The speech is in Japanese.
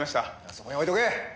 そこに置いとけ！